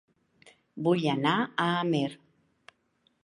Vull anar a Amer